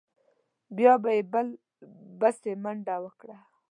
بیا به یې بل بسې منډه وکړه.